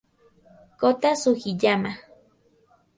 Kota Sugiyama